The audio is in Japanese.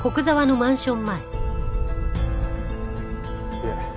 いえ。